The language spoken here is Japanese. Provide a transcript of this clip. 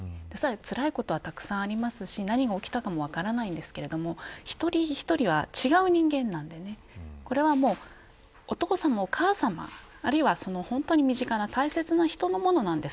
つらいことはたくさんありますし何が起きたかも分かりませんが一人一人は違う人間なのでこれはお父様、お母様あるいは本当に身近な大切な人のものなんです。